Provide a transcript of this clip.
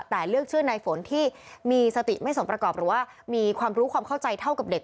แต่เลือกชื่อนายฝนที่มีสติไม่สมประกอบหรือว่ามีความรู้ความเข้าใจเท่ากับเด็ก